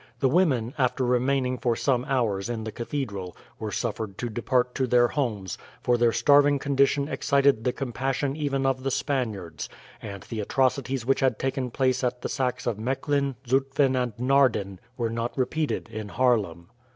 The women, after remaining for some hours in the cathedral, were suffered to depart to their homes, for their starving condition excited the compassion even of the Spaniards; and the atrocities which had taken place at the sacks of Mechlin, Zutphen and Naarden, were not repeated in Haarlem.